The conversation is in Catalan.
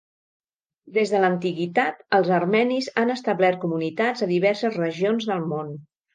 Des de l'antiguitat, els armenis han establert comunitats a diverses regions del món.